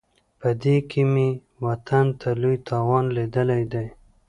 په دې کې مې وطن ته لوی تاوان لیدلی دی.